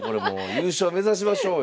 優勝目指しましょうよ。